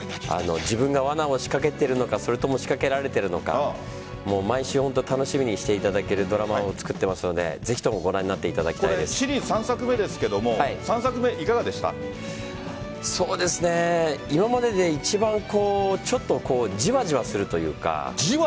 自分が罠を仕掛けているのかそれとも仕掛けられているのか毎週、本当に楽しみにしていただけるドラマを作っていますのでぜひともシリーズ３作目ですが今までで一番ちょっとじわじわするというか。